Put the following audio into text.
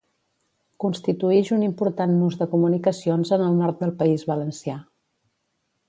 constituïx un important nus de comunicacions en el nord del País Valencià.